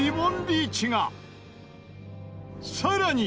さらに。